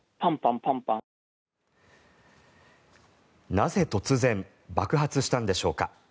なぜ突然、爆発したのでしょうか。